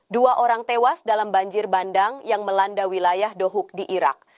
dua orang tewas dalam banjir bandang yang melanda wilayah dohuk di irak